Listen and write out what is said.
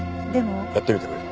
やってみてくれ。